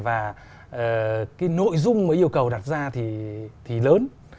và cái nội dung mà yêu cầu đặt ra thì lớn